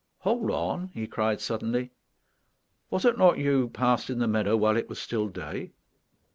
"Hold on," he cried suddenly. "Was it not you who passed in the meadow while it was still day?"